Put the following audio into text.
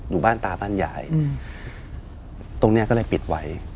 อยู่บ้านตาบ้านยายตรงเนี้ยก็เลยปิดไว้